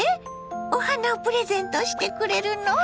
お花をプレゼントしてくれるの？